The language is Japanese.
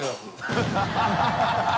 ハハハ